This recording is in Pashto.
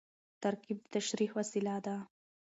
ترکیب د تشریح وسیله ده.